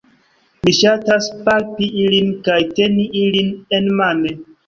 Mi ŝatas palpi ilin kaj teni ilin enmane